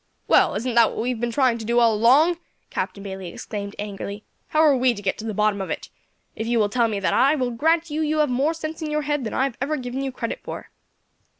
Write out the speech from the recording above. "Well, isn't that what we have been trying to do all along?" Captain Bayley exclaimed angrily. "How are we to get to the bottom of it? If you will tell me that I will grant that you have more sense in your head than I have ever given you credit for."